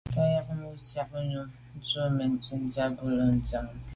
Tà yag num ntsiag yub ntùm metsit ba’ ze bo lo’ a ndian nkut yi là.